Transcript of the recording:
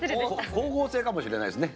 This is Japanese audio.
光合成かもしれないですね。